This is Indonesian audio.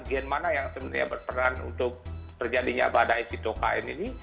gen mana yang sebenarnya berperan untuk terjadinya pada esitokain ini